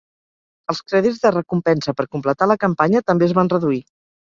Els crèdits de recompensa per completar la campanya també es van reduir.